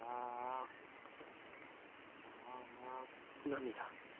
涙？